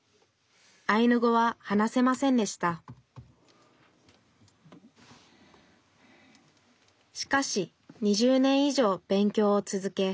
アイヌ語は話せませんでしたしかし２０年以上勉強を続け